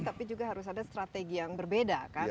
tapi juga harus ada strategi yang berbeda kan